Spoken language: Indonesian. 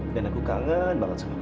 dan aku kangen banget sama kamu